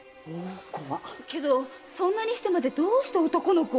けどそんなにしてまでどうして男の子を？